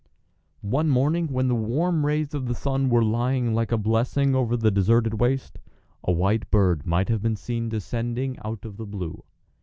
One morning when the warm rays of the sun were lying like a blessing over the deserted waste, a white bird might have been seen descending out of the blue.